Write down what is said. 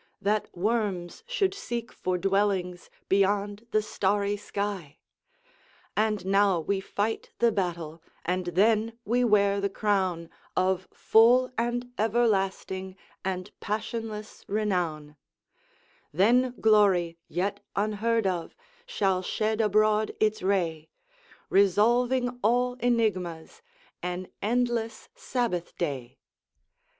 That worms should seek for dwellings Beyond the starry sky! And now we fight the battle, And then we wear the Crown Of full and everlasting And passionless renown: Then glory, yet unheard of, Shall shed abroad its ray; Resolving all enigmas, An endless Sabbath day.